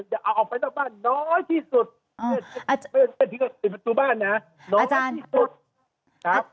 อย่าเอาออกไปตรงบ้านน้อยที่สุดไม่อย่างที่สุดบ้านนะน้อยที่สุด